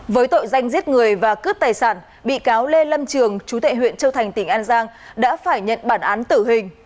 với tội danh giết người và cướp tài sản bị cáo lê lâm trường chú tệ huyện châu thành tỉnh an giang đã phải nhận bản án tử hình